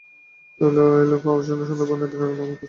চলে এলো অপারেশন সুন্দরবনের ব্র্যান্ড নিউ পোস্টার!